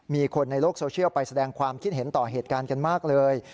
มีคนในโลกโซเชียลไปแสดงความคิดเห็นต่อเหตุการณ์กันมากเลย